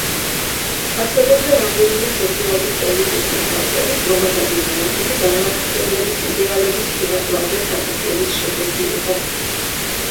არსებობდა რამდენიმე სოციალურ-პოლიტიკური ფაქტორიც, რომელთა დიდი ნაწილი განმანათლებლობის იდეალების წინა პლანზე წამოწევის შედეგი იყო.